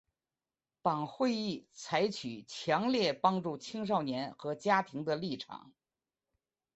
党会议采取强烈帮助青少年和家庭的立场。